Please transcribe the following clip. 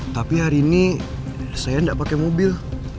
tapi hari ini saya tidak pakai mobil